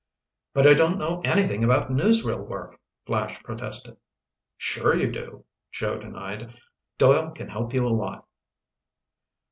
"But I don't know anything about newsreel work!" Flash protested. "Sure you do," Joe denied. "Doyle can help you a lot."